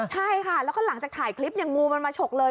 ใช่ค่ะแล้วก็หลังจากถ่ายคลิปเนี่ยงูมันมาฉกเลย